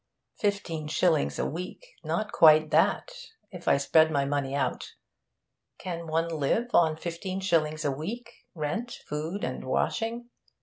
Fifteen shillings a week not quite that, if I spread my money out. Can one live on fifteen shillings a week rent, food, washing?...